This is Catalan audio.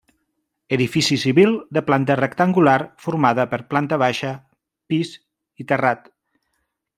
Edifici civil de planta rectangular formada per planta baixa, pis i terrat.